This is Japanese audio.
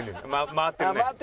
回ってるね。